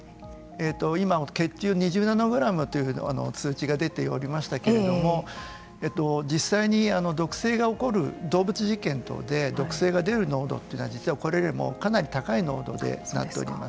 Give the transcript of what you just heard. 今、血中２０ナノグラムと通知が出ておりましたけれども実際に毒性が起こる動物実験等で毒性が出る濃度はこれよりもかなりな濃度となっております。